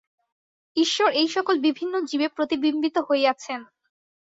ঈশ্বর এই-সকল বিভিন্ন জীবে প্রতিবিম্বিত হইয়াছেন।